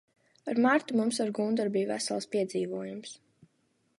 Ar Martu mums ar Gunardu bija vesels piedzīvojums.